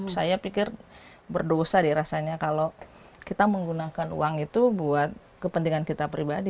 saya pikir berdosa deh rasanya kalau kita menggunakan uang itu buat kepentingan kita pribadi